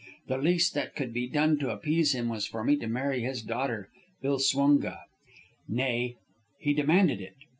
The least that could be done to appease him was for me to marry his daughter Ilswunga. Nay, he demanded it.